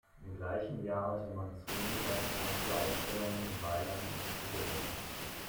Im gleichen Jahr hatte Manzoni erste Einzelausstellungen in Mailand und in Como.